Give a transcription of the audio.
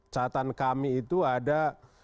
catatan kami itu ada